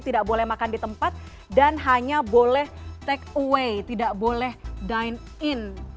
tidak boleh makan di tempat dan hanya boleh take away tidak boleh dine in